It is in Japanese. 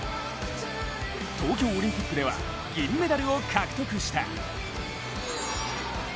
東京オリンピックでは銀メダルを獲得した。